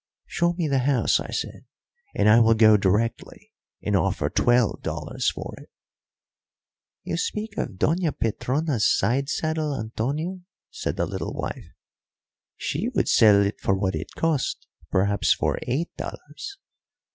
"Show me the house," I said, "and I will go directly and offer twelve dollars for it." "You speak of Doña Petrona's side saddle, Antonio?" said the little wife. "She would sell it for what it cost perhaps for eight dollars.